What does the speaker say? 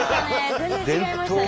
全然違いましたね。